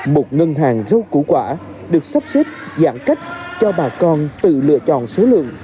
một ngân hàng rau củ quả được sắp xếp giãn cách cho bà con tự lựa chọn số lượng